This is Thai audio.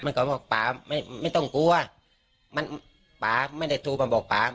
เขาบอกป่าไม่ไม่ต้องกลัวมันป่าไม่ได้โทรมาบอกป๊า